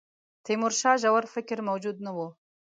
تیمورشاه ژور فکر موجود نه وو.